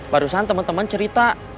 barusan teman teman cerita